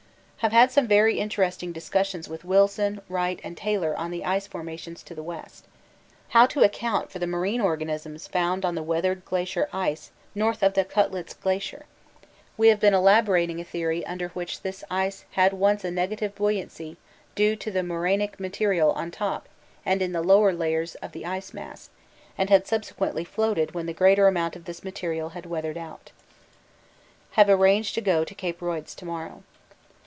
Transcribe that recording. Have had some very interesting discussions with Wilson, Wright, and Taylor on the ice formations to the west. How to account for the marine organisms found on the weathered glacier ice north of the Koettlitz Glacier? We have been elaborating a theory under which this ice had once a negative buoyancy due to the morainic material on top and in the lower layers of the ice mass, and had subsequently floated when the greater amount of this material had weathered out. Have arranged to go to C. Royds to morrow.